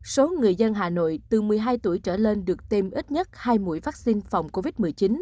số người dân hà nội từ một mươi hai tuổi trở lên được tiêm ít nhất hai mũi vaccine phòng covid một mươi chín